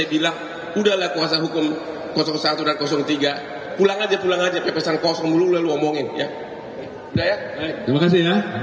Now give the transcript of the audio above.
ya udah ya terima kasih ya